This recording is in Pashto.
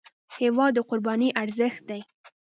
هېواد د قربانۍ ارزښت دی.